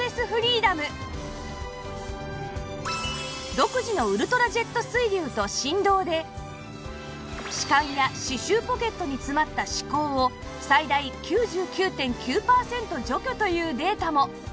独自のウルトラジェット水流と振動で歯間や歯周ポケットに詰まった歯垢を最大 ９９．９ パーセント除去というデータも